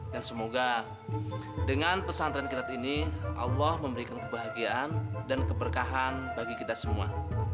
dan semoga dengan pesantren kilat ini allah memberikan kebahagiaan dan keberkahan bagi kita semua